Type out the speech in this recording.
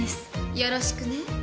よろしくね。